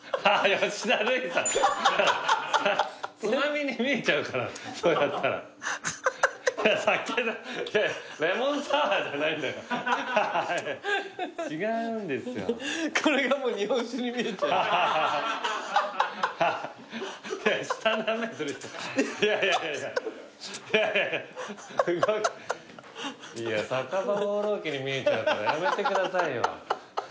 『酒場放浪記』に見えちゃうからやめてくださいよ。